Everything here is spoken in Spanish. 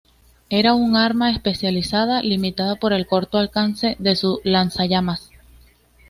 Era un arma especializada, limitada por el corto alcance de su lanzallamas.